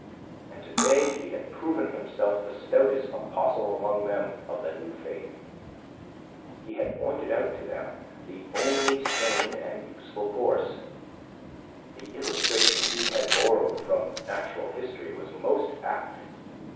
And to day he had proven himself the stoutest apostle among them of the new faith. He had pointed out to them the only sane and useful course. The illustration he had borrowed from natural history was most apt.